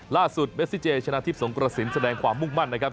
เมซิเจชนะทิพย์สงกระสินแสดงความมุ่งมั่นนะครับ